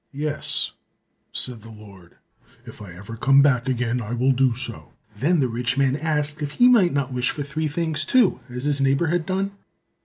"Yes," said the Lord; "if I ever come back again, I will do so." Then the rich man asked if might not wish for three things too, as his neighbor had done?